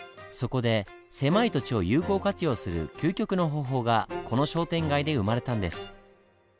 そこで狭い土地を有効活用する究極の方法がこの商店街で生まれたんです。